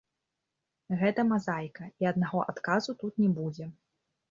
Гэта мазаіка, і аднаго адказу тут не будзе.